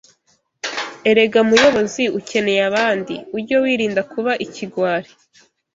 Erega muyobozi ukeneye abandi uge wirinda kuba ikigwari